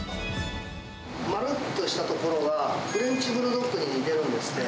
丸っとしたところが、フレンチブルドッグに似てるんですって。